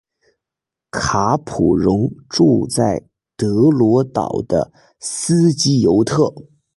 卡普荣住在罗德岛的斯基尤特。